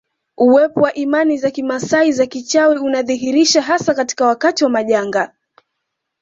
Uwepo wa imani za kimaasai za kichawi unajidhihirisha hasa katika wakati wa majanga